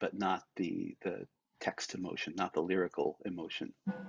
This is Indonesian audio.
bukan emosi teksnya bukan emosi liriknya